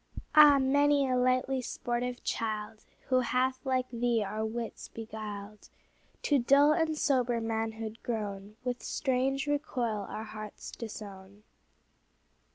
Ah! many a lightly sportive child, Who hath like thee our wits beguiled, To dull and sober manhood grown, With strange recoil our hearts disown.